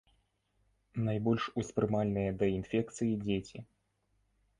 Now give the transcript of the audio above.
Найбольш успрымальныя да інфекцыі дзеці.